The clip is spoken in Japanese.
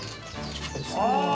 ああ！